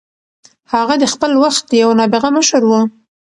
هغه د خپل وخت یو نابغه مشر و.